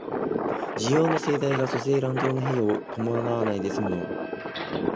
需要の盛大が粗製濫造の弊を伴わないで済むのは、